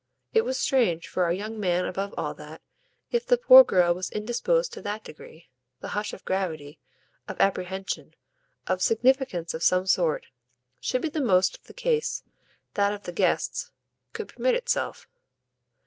It was strange for our young man above all that, if the poor girl was indisposed to THAT degree, the hush of gravity, of apprehension, of significance of some sort, should be the most the case that of the guests could permit itself.